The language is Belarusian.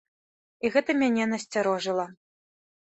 І гэта мяне насцярожыла.